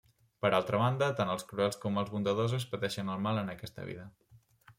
Per altra banda, tant els cruels com els bondadosos pateixen el mal en aquesta vida.